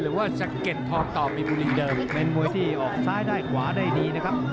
หรือว่าสะเก็ดทองต่อมีบุรีเดิมเป็นมวยที่ออกซ้ายได้ขวาได้ดีนะครับ